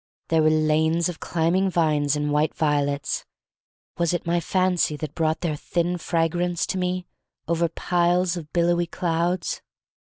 There were lanes of climbing vines and white violets. Was it my fancy that brought their thin fragrance to me over piles of billowy clouds?